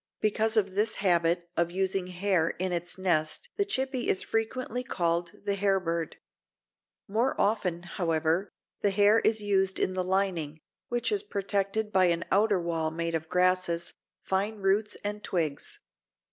Because of this habit of using hair in its nest the Chippy is frequently called the Hairbird. More often, however, the hair is used in the lining, which is protected by an outer wall made of grasses, fine roots and twigs.